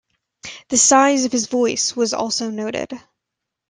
The size of his voice was also noted.